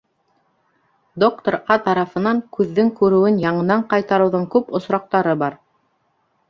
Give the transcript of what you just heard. Доктор А. тарафынан күҙҙең күреүен яңынан ҡайтарыуҙың күп осраҡтары бар